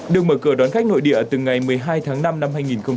được mở cửa đón khách nội địa từ ngày một mươi hai tháng năm năm hai nghìn tám